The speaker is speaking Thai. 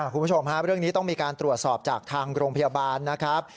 คุณผู้ชมฮะเรื่องนี้ต้องมีการตรวจสอบจากทางโรงพยาบาลนะครับ